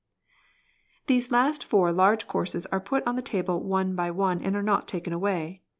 These last four large courses are put on the table one by one and are not taken away.